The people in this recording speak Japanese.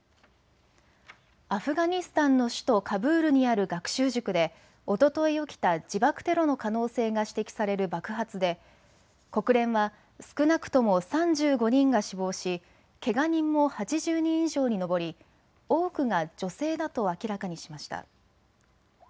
アフガニスタンの首都カブールにある学習塾でおととい起きた自爆テロの可能性が指摘される爆発で国連は少なくとも３５人が死亡しけが人も８０人以上に上り多くが女性だと明らかにしました。